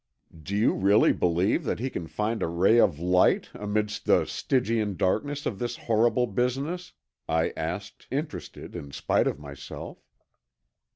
"Do you really believe that he can find a ray of light amidst the Stygian darkness of this horrible business?" I asked, interested in spite of myself.